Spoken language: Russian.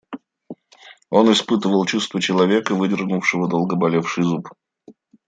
Он испытывал чувство человека, выдернувшего долго болевший зуб.